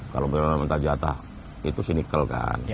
kalau meminta jatah itu sinikal kan